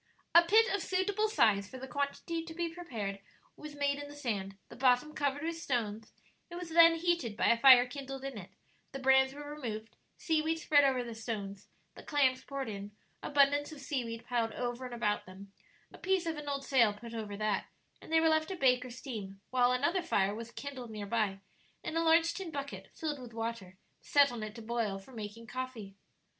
A pit of suitable size for the quantity to be prepared was made in the sand, the bottom covered with stones; it was then heated by a fire kindled in it, the brands were removed, seaweed spread over the stones, the clams poured in, abundance of seaweed piled over and about them, a piece of an old sail put over that, and they were left to bake or steam, while another fire was kindled near by, and a large tin bucket, filled with water, set on it to boil for making coffee.